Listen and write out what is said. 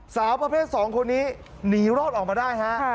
สาวประเภท๒คนนี้หนีรอดออกมาได้ฮะ